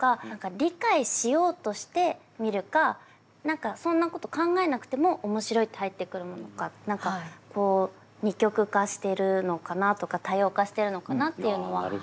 理解しようとして見るか何かそんなこと考えなくても面白いって入ってくるものか何か二極化してるのかなとか多様化してるのかなっていうのは。